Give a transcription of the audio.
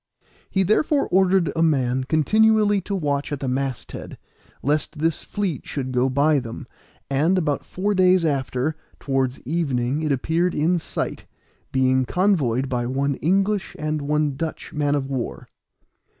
He therefore ordered a man continually to watch at the mast head, lest this fleet should go by them; and about four days after, towards evening it appeared in sight, being convoyed by one English and one Dutch man of war.